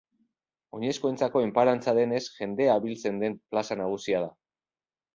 Oinezkoentzako enparantza denez jendea biltzen den plaza nagusia da.